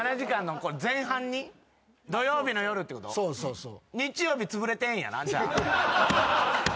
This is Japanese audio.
そうそうそう。